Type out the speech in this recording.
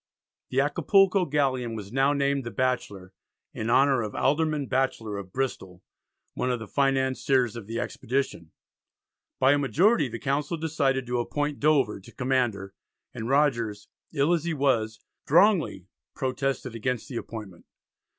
The Acapulco galleon was now named the Batchelor in honour of Alderman Batchelor of Bristol, one of the financiers of the expedition. By a majority the Council decided to appoint Dover to command her, and Rogers, ill as he was, strongly protested against the appointment.